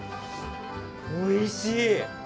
おいしい！